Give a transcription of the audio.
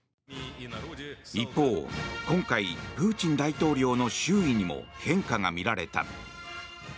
一方、今回プーチン大統領の周囲にも変化が見られた。